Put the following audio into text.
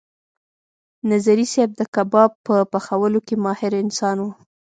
نظري صیب د کباب په پخولو کې ماهر انسان و.